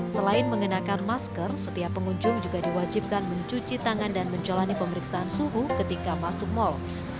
selain mengenakan masker setiap pengunjung juga diwajibkan mencuci tangan dan menjalani pemeriksaan suhu ketika masuk mal